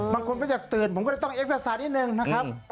บางคนก็อยากตื่นผมก็เลยต้องอักษรศาสตร์นิดหนึ่งนะครับ